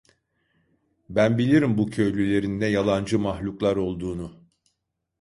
Ben bilirim bu köylülerin ne yalancı mahluklar olduğunu…